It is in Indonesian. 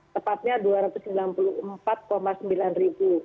tepatnya dua ratus sembilan puluh empat sembilan ribu